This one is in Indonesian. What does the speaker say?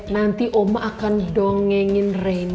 nanti oma akan dongengin rein